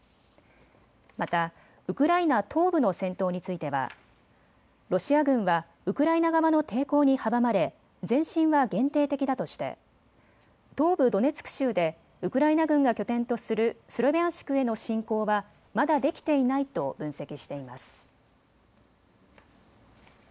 またウクライナ東部の戦闘についてはロシア軍はウクライナ側の抵抗に阻まれ、前進は限定的だとして東部ドネツク州でウクライナ軍が拠点とするスロビャンシクへの侵攻はまだできていないと分析しています。